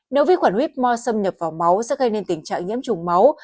nếu vi khuẩn huyết mò xâm nhập vào máu sẽ gây nên tình trạng nhiễm trùng máu